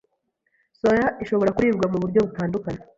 Soya ishobora kuribwa mu buryo butandukanye,